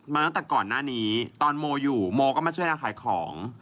มาตั้งแต่ก่อนหน้านี้ตอนโมอยู่โมก็มาช่วยเราขายของ